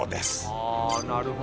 はあなるほどね。